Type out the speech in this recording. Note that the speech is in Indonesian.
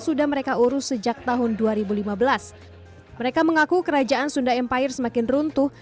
sudah mereka urus sejak tahun dua ribu lima belas mereka mengaku kerajaan sunda empire semakin runtuh